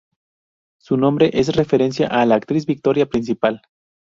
Su nombre es referencia a la actriz Victoria Principal.